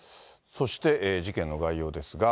そして、事件の概要ですが。